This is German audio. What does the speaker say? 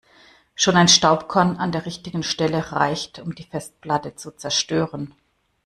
Schon ein Staubkorn an der richtigen Stelle reicht, um die Festplatte zu zerstören.